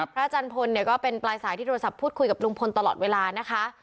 อาจารย์พลเนี่ยก็เป็นปลายสายที่โทรศัพท์พูดคุยกับลุงพลตลอดเวลานะคะ